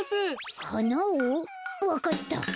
わかった。